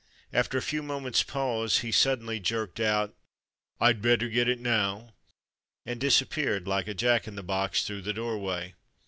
After a few mo ments' pause he suddenly jerked out, "Td better get it now,'' and disappeared like a jack in the box through the doorway.